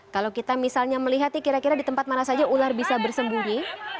kalau kita misalnya melihat kira kira di tempat mana saja ular bisa bersembunyi